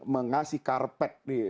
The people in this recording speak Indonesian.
mengasih karpet di tempat ibadah